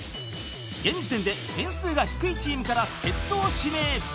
［現時点で点数が低いチームから助っ人を指名］